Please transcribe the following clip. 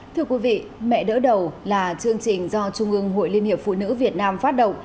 thưa quý vị mẹ đỡ đầu là chương trình do trung ương hội liên hiệp phụ nữ việt nam phát động